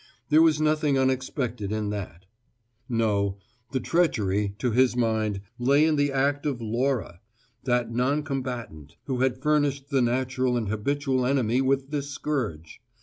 There was nothing unexpected in that: no, the treachery, to his mind, lay in the act of Laura, that non combatant, who had furnished the natural and habitual enemy with this scourge.